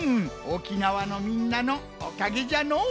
沖縄のみんなのおかげじゃのう。